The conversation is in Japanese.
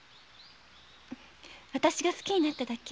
わたしが好きになっただけ。